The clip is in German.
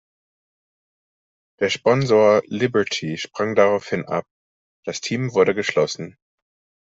Der Sponsor Liberty sprang daraufhin ab, das Team wurde geschlossen.